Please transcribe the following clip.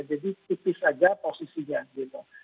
jadi tipis aja posisinya gitu